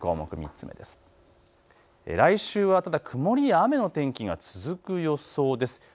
来週はただ曇りや雨の天気が続く予想です。